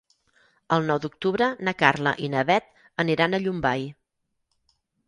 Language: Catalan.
El nou d'octubre na Carla i na Bet aniran a Llombai.